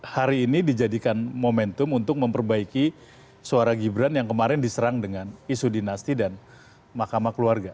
hari ini dijadikan momentum untuk memperbaiki suara gibran yang kemarin diserang dengan isu dinasti dan mahkamah keluarga